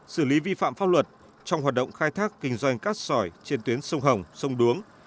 xử lý vi phạm pháp luật trong hoạt động khai thác kinh doanh cát sỏi trên tuyến sông hồng sông đuống